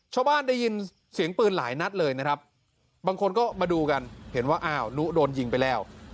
ได้ยินเสียงปืนหลายนัดเลยนะครับบางคนก็มาดูกันเห็นว่าอ้าวนุโดนยิงไปแล้ว